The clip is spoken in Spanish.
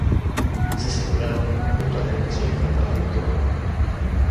Se celebraron junto a las elecciones al Parlamento Vasco.